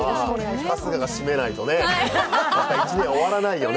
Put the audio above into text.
春日が締めないとね、一年終わらないよね。